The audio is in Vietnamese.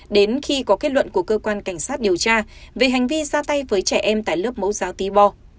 đến khi có kết luận của cơ quan cảnh sát điều tra về hành vi ra tay với trẻ em tại lớp mẫu giáo tý bo